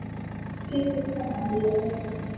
کس کس کا نام لیا جائے۔